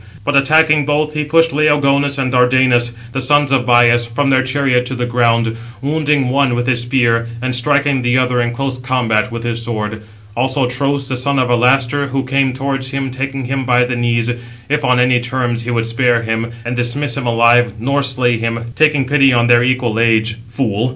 But attacking both, he pushed Laogonus and Dardanus, the sons of Bias, from their chariot to the ground, wounding one with his spear, and striking the other in close combat with his sword. Also Tros, the son of Alastor, who came towards him, taking him by the knees, if on any terms he would spare him, and dismiss him alive, nor slay him, taking pity on their equal age: fool!